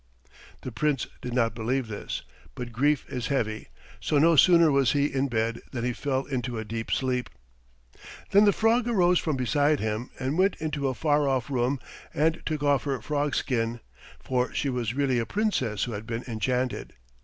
The Prince did not believe this, but grief is heavy, so no sooner was he in bed than he fell into a deep sleep. Then the frog arose from beside him and went into a far off room and took off her frog skin; for she was really a Princess who had been enchanted.